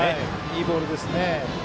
いいボールですね。